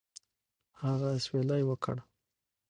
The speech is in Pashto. هغه اسویلی وکړ.